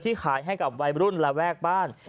ขายให้กับวัยรุ่นระแวกบ้าน